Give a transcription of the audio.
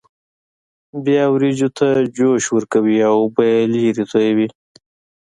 بیا وریجو ته جوش ورکوي او اوبه یې لرې تویوي.